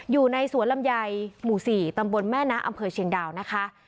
อยู่ในสวนลำไยหมู่๔ตำบลแม่นะอำเภอเชียงดาวนะคะ